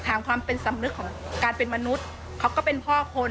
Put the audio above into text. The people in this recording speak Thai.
ที่มันก็มีเรื่องที่ดิน